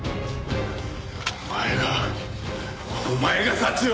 お前がお前が早智を！